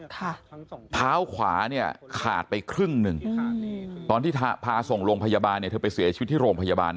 เท้าขวาเนี่ยขาดไปครึ่งหนึ่งค่ะตอนที่พาส่งโรงพยาบาลเนี่ยเธอไปเสียชีวิตที่โรงพยาบาล